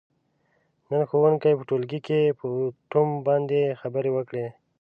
نن ښوونکي په ټولګي کې په اتوم باندې خبرې وکړلې.